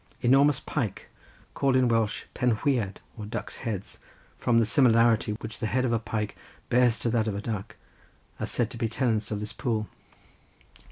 Enormous pike, called in Welsh penhwiaid, or ducks' heads, from the similarity which the head of a pike bears to that of a duck, are said to be tenants of this pool.